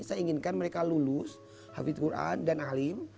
saya inginkan mereka lulus hafidh qur'an dan alim